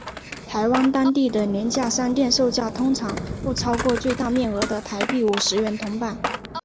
台湾当地的廉价商店售价通常不超过最大面额的台币五十元铜板。